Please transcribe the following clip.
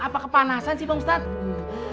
apa kepanasan sih bang ustadz